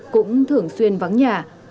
cũng thường xuyên vắng nhà